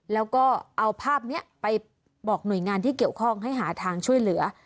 แล้วก็เอาภาพนี้ไปบอกหน่วยงานที่เกี่ยวข้องให้หาทางช่วยเหลือ